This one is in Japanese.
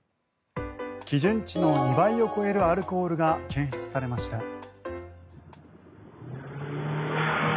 基準値の２倍を超えるアルコールが検出されました。